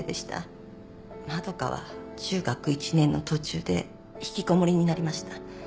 円は中学１年の途中で引きこもりになりました。